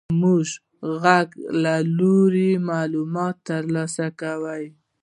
موږ د غږ له لارې معلومات تر لاسه کوو.